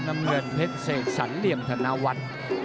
น้ำเงินเพชรเสกสรรเหลี่ยมธนวัฒน์